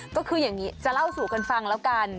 ก็คืออย่างนี้จะเล่าสู่กันฟังแล้วกัน